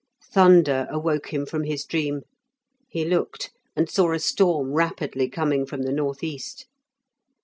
Thunder awoke him from his dream; he looked, and saw a storm rapidly coming from the north east.